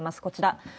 こちら。